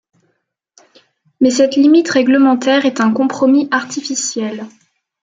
Mais cette limite réglementaire est un compromis artificiel.